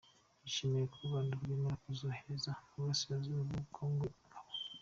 yishimiye ko u Rwanda rwemera kuzohereza mu Burasirazuba bwa kongo ingabo